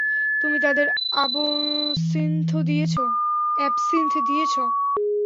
তুমি তাদের অ্যাবসিন্থ দিয়েছ?